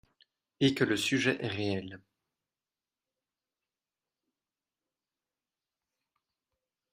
et que le sujet est réel.